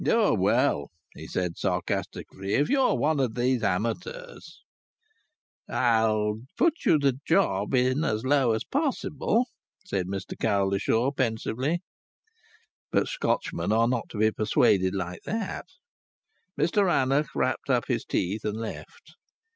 "Oh, well," he said sarcastically, "if you're one of those amateurs " "I'll put you the job in as low as possible," said Mr Cowlishaw, persuasively. But Scotchmen are not to be persuaded like that. Mr Rannoch wrapped up his teeth and left.